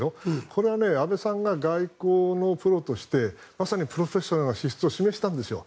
これは安倍さんが外交のプロとしてまさにプロフェッショナルな資質を示したんですよ。